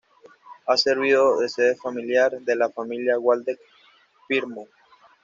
Ha servido de sede familiar de la familia Waldeck-Pyrmont.